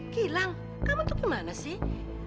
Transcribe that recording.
gilang kamu tuh kemana sih